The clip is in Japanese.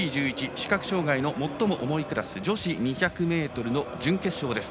視覚障がいの最も重いクラス女子２００ｍの準決勝です。